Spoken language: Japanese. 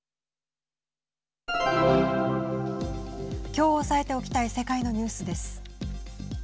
きょう押さえておきたい世界のニュースです。